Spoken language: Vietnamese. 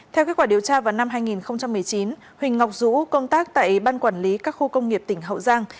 theo kết quả điều tra vào năm hai nghìn một mươi chín huỳnh ngọc dũ công tác tại ban quản lý các khu công nghiệp tỉnh hậu giang